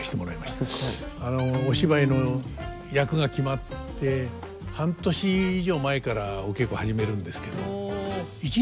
すごい。お芝居の役が決まって半年以上前からお稽古始めるんですけど。